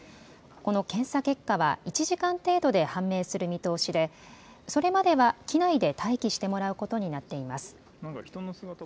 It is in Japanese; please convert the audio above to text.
この検査結果は１時間程度で判明する見通しでそれまでは機内で待機してもらうことになっています。